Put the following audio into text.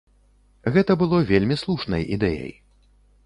Гэта было вельмі слушнай ідэяй.